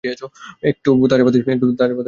একটু তাজা বাতাসে লাভ হয়।